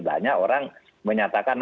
banyak orang menyatakan